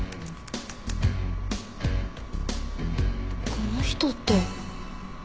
この人って。